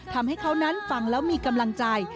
ทำให้เขานั้นฟังแล้วมีกำลังใจ